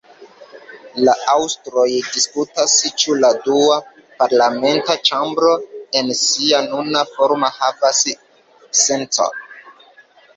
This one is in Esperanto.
La aŭstroj diskutas, ĉu la dua parlamenta ĉambro en sia nuna formo havas sencon.